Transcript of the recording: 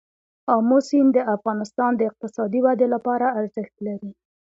آمو سیند د افغانستان د اقتصادي ودې لپاره ارزښت لري.